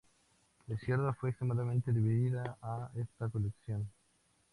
La izquierda fue extremadamente dividida a esta elección.